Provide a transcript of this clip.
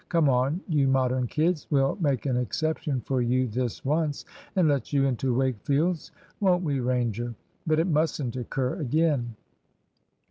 Come on, you Modern kids. We'll make an exception for you this once, and let you into Wakefield's; won't we, Ranger? But it mustn't occur again."